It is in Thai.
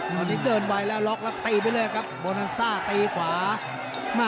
ล็อกแล้วตีไปเลยครับ